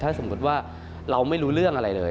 ถ้าสมมุติว่าเราไม่รู้เรื่องอะไรเลย